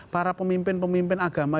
para pemimpin pemimpin agama